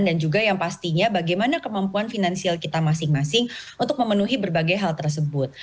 dan juga yang pastinya bagaimana kemampuan finansial kita masing masing untuk memenuhi berbagai hal tersebut